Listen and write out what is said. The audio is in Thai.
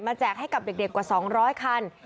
แจกให้กับเด็กกว่า๒๐๐คัน